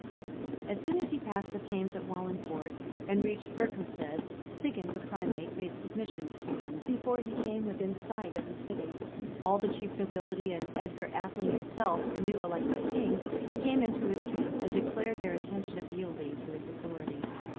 As soon as he passed the Thames at Wallingford, and reached Berkhamstead, Stigand, the primate, made submissions to him: before he came within sight of the city, all the chief nobility, and Edgar Atheling himself, the new elected king, came into his camp, and declared their intention of yielding to his authority.